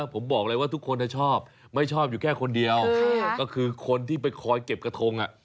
ผมบอกเลยว่าทุกคนชอบไม่ชอบอยู่แค่คนเดียวก็คือคนที่ไปคอยเก็บกระทง